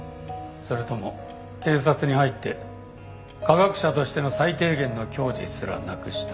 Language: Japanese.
それとも警察に入って科学者としての最低限の矜持すらなくしたか？